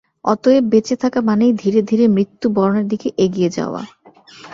অতএব বেঁচে থাকা মানেই ধীরে ধীরে মৃত্যু বরণের দিকে এগিয়ে যাওয়া।